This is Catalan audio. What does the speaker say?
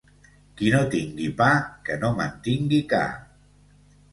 Qui no tingui pa que no mantingui ca.